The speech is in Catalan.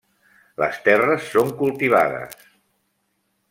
Les terres són cultivades.